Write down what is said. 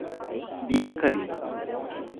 Bianca Lima